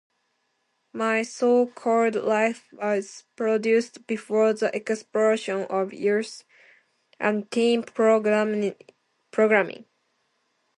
"My So-Called Life" was produced before the explosion of youth and teen programming.